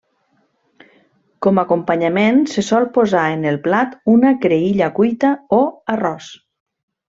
Com acompanyament se sol posar en el plat una creïlla cuita o arròs.